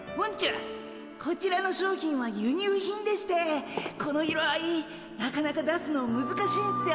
こちらの商品は輸入品でしてこの色合いなかなか出すのむずかしいんすよ。